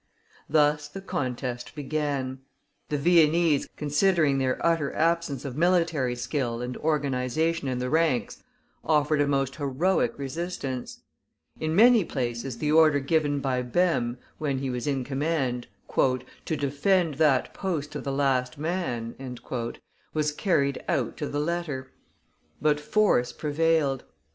Thus the contest began. The Viennese considering their utterly inadequate means of defence, considering their utter absence of military skill and organization in the ranks, offered a most heroic resistance. In many places the order given by Bem, when he was in command, "to defend that post to the last man," was carried out to the letter. But force prevailed.